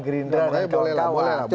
gerindra dan kawan kawan boleh lah